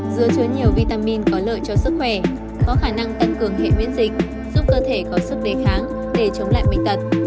dứa chứa nhiều vitamin có lợi cho sức khỏe có khả năng tăng cường hệ miễn dịch giúp cơ thể có sức đề kháng để chống lại bệnh tật